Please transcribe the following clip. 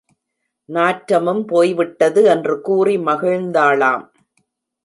நாற்றமும் போய்விட்டது என்று கூறி மகிழ்ந்தாளாம்.